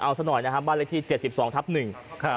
เอาซะหน่อยนะครับบ้านเลขที่เจ็ดสิบสองทับหนึ่งครับ